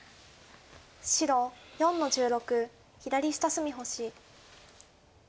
白４の十六左下隅星。